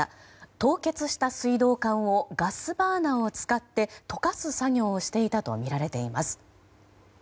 凍結した水道管をガスバーナーを使って解かす作業をしていたとみられています。